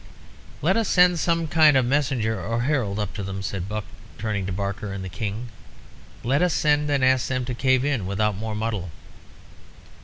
"Let us send some kind of messenger or herald up to them," said Buck, turning to Barker and the King. "Let us send and ask them to cave in without more muddle."